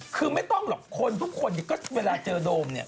คือไม่ต้องหรอกคนทุกคนก็เวลาเจอโดมเนี่ย